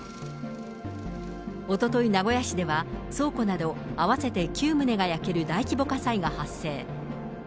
おととい、名古屋市では倉庫など合わせて９棟が焼ける大規模火災が発生。